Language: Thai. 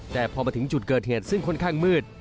แต่พอมาถึงจุดเกิดเหตุซึ่งค่อนข้างมืด